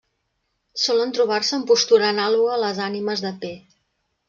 Solen trobar-se en postura anàloga a les ànimes de Pe.